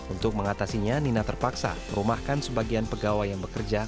untuk mengatasinya nina terpaksa merumahkan sebagian pegawai yang bekerja